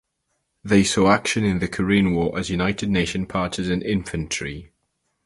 They saw action in the Korean War As United Nation Partisan Infantry.